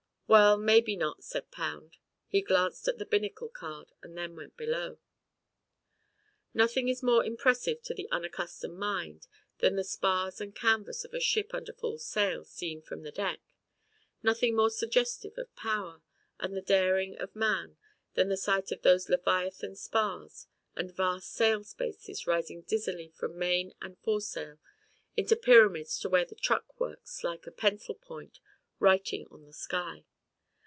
"Well, maybe not," said Pound. He glanced at the binnacle card and then went below. Nothing is more impressive to the unaccustomed mind than the spars and canvas of a ship under full sail seen from the deck, nothing more suggestive of power and the daring of man than the sight of those leviathan spars and vast sail spaces rising dizzily from main and foresail in pyramids to where the truck works like a pencil point writing on the sky.